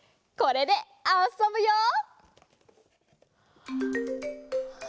これであそぶよ。